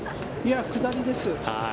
下りです。